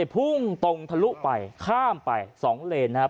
พุ่งตรงทะลุไปข้ามไป๒เลนนะครับ